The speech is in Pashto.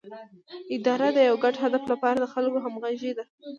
اداره د یو ګډ هدف لپاره د خلکو همغږي ده